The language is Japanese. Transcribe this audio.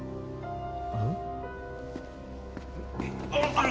あの！